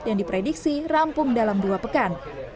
dan diprediksi rampung dalam dua pekan